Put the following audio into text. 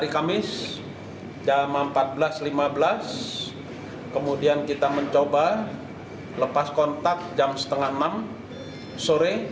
hari kamis jam empat belas lima belas kemudian kita mencoba lepas kontak jam setengah enam sore